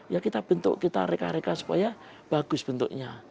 ya kita bentuk kita reka reka supaya bagus bentuknya